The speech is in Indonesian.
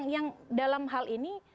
yang dalam hal ini